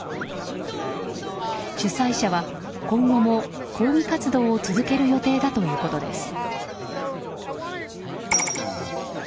主催者は今後も抗議活動を続ける予定だということです。